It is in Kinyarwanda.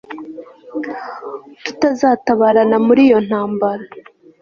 tuzatabarana muri iyo ntambara